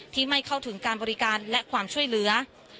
ไม่เข้าถึงการบริการและความช่วยเหลือ